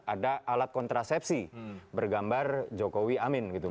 ada alat kontrasepsi bergambar jokowi amin gitu